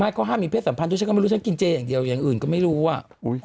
ไม่ก็ห้ามมีเพศสัมพันธ์ด้วยฉันกินเจอย่างเกอร์อย่างอื่นก็ไม่รู้ว่า